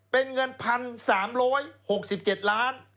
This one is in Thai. เป็นเงิน๑๓๖๗ล้าน